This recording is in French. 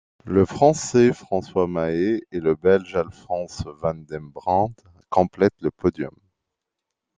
Le Français François Mahé et le belge Alfons van den Brande complètent le podium.